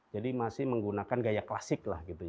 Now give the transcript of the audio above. jadi masih menggunakan gaya klasik